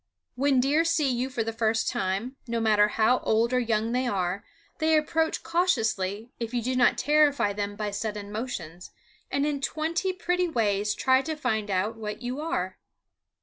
When deer see you for the first time, no matter how old or young they are, they approach cautiously, if you do not terrify them by sudden motions, and in twenty pretty ways try to find out what you are.